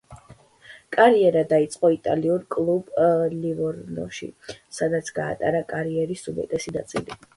კარიერა დაიწყო იტალიურ კლუბ „ლივორნოში“, სადაც გაატარა კარიერის უმეტესი ნაწილი.